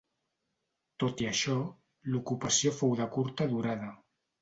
Tot i això, l'ocupació fou de curta durada.